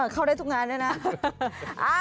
เข้าได้ทุกงานด้วยนะ